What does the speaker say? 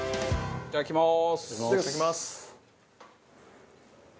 いただきます。